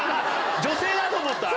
女性だと思った？